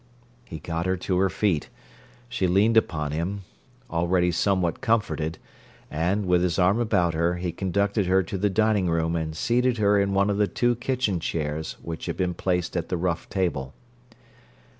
He got her to her feet; she leaned upon him, already somewhat comforted, and, with his arm about her, he conducted her to the dining room and seated her in one of the two kitchen chairs which had been placed at the rough table.